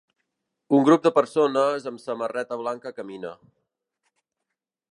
Un grup de persones amb samarreta blanca camina.